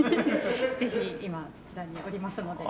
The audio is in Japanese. ぜひ今そちらにおりますので。